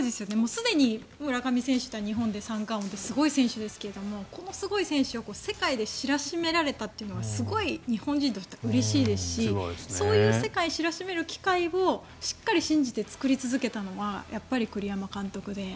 すでに村上選手って日本で三冠王取ってすごい選手ですがこのすごい選手を世界で知らしめられたというのがすごい、日本人としてうれしいですしそういう世界を知らしめる機会をしっかり信じて作ってきたのはやっぱり栗山監督で。